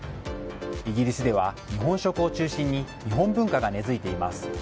イギリスでは日本食を中心に日本文化が根付いています。